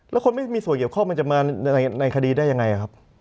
แล้วคนไม่มีส่วนเกี่ยวข้องมันจะมาในคดีได้ยังไงครับ